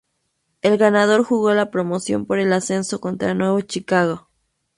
El ganador jugó la Promoción por el ascenso contra Nueva Chicago.